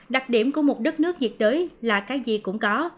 đặc điểm của một đất nước diệt đới là cái gì cũng có